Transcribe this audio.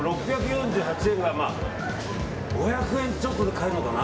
６４８円が５００円ちょっとで買えるのかな。